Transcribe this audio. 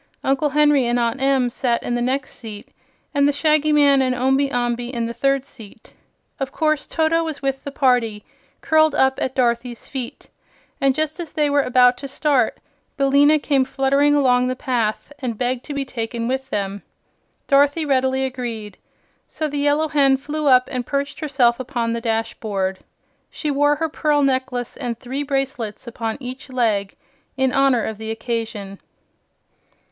Uncle Henry and Aunt Em sat in the next seat and the Shaggy Man and Omby Amby in the third seat. Of course Toto was with the party, curled up at Dorothy's feet, and just as they were about to start, Billina came fluttering along the path and begged to be taken with them. Dorothy readily agreed, so the Yellow Hen flew up and perched herself upon the dashboard. She wore her pearl necklace and three bracelets upon each leg, in honor of the occasion.